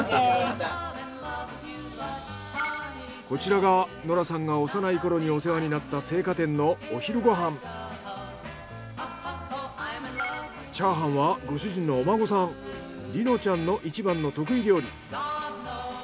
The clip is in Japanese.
こちらがノラさんが幼い頃にお世話になったチャーハンはご主人のお孫さん梨乃ちゃんの一番の得意料理。